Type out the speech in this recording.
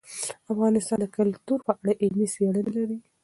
افغانستان د کلتور په اړه علمي څېړنې لري.